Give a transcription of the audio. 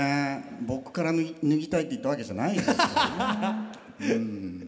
僕から脱ぎたいって言ったわけじゃないんですよね。